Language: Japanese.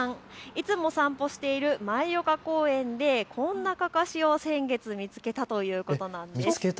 いつも散歩している舞岡公園でこんなかかしを先月、見つけたということなんです。